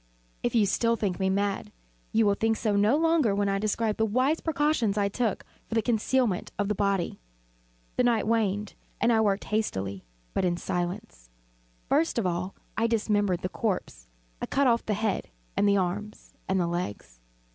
If still you think me mad, you will think so no longer when I describe the wise precautions I took for the concealment of the body. The night waned, and I worked hastily, but in silence. First of all I dismembered the corpse. I cut off the head and the arms and the legs.